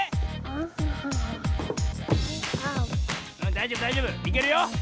だいじょうぶだいじょうぶいけるよ。